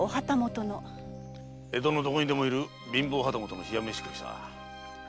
江戸のどこにでもいる貧乏旗本の冷や飯食いさ。